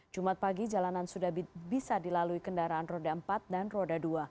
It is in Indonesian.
jumat pagi jalanan sudah bisa dilalui kendaraan roda empat dan roda dua